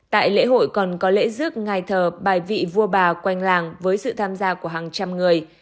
tại lễ hội còn có lễ rước ngài thờ bài vị vua bà quanh làng với sự tham gia của hàng trăm người